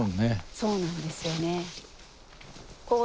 そうなんですよね。